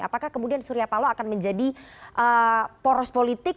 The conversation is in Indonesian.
apakah kemudian surya paloh akan menjadi poros politik